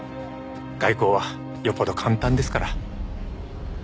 外交はよっぽど簡単ですから。